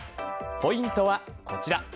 ポイントはこちら。